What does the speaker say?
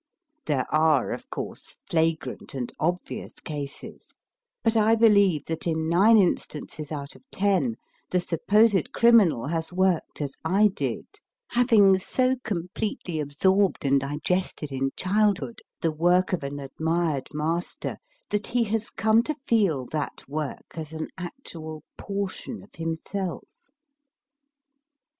There are, of course, flagrant and obvious cases, but I believe that in nine instances out of ten the supposed criminal has worked as I did, having so completely absorbed and digested in childhood the work of an admired master that he has come to feel that work as an actual portion of himself.